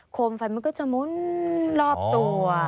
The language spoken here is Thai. มไฟมันก็จะมุนรอบตัว